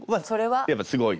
やっぱすごい？